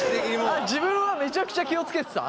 あっ自分はめちゃくちゃ気を付けてた？